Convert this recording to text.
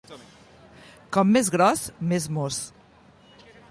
Com més gros, més mos.